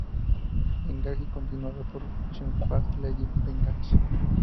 Vengeance" y continuada por "Sympathy for Lady Vengeance".